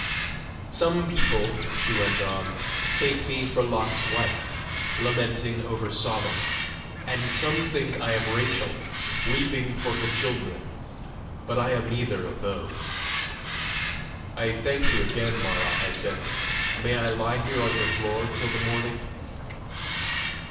"Some people," she went on, "take me for Lot's wife, lamenting over Sodom; and some think I am Rachel, weeping for her children; but I am neither of those." "I thank you again, Mara," I said. " May I lie here on your floor till the morning?"